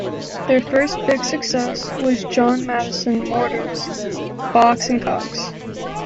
Their first big success was John Maddison Morton's "Box and Cox".